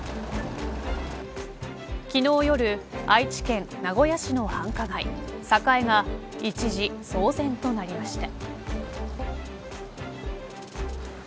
昨日夜、愛知県名古屋市の繁華街栄が一時騒然となりました。